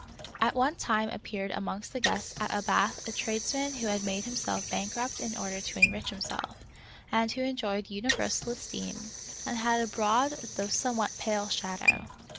At one time appeared amongst the guests at of Peter Schlemihl, 43 the Bath a tradesman who had made himself bankrupt in order to enrich himself, and who en joyed universal esteem, and had a broad though somewhat pale shadow.